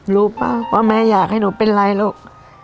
รู้ป่ะว่าแม่อยากให้หนูเป็นไรหรอก